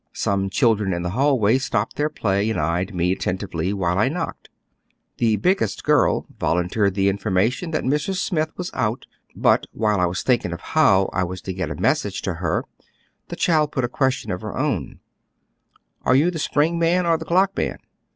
Some children in the hallway stopped their play and eyed me attentively while I knocked. The biggest girl volunteered the infor mation that Mrs. Smith was out ; but wliile I was think ing of how I was to get a message to her, the child put a question of her own :" Are you the spring man or the clock man